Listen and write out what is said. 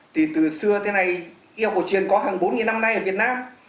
thì từ xưa tới nay y học cổ truyền có hàng bốn năm nay ở việt nam